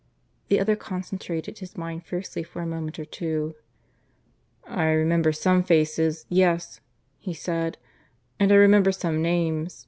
The other concentrated his mind fiercely for a moment or two. "I remember some faces yes," he said. "And I remember some names.